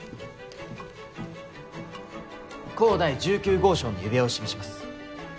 甲第１９号証の指輪を示します。